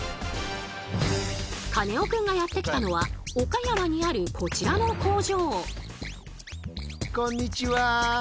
カネオくんがやって来たのは岡山にあるこちらの工場。